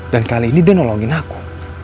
dan kali ini dia nolongin aku